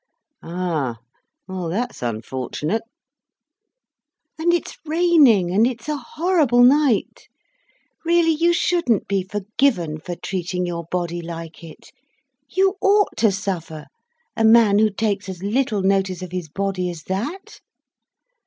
"Ah!! Well that's unfortunate." "And it's raining, and it's a horrible night. Really, you shouldn't be forgiven for treating your body like it—you ought to suffer, a man who takes as little notice of his body as that."